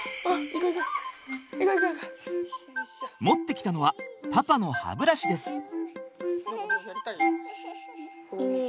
持ってきたのはパパの歯ブラシです。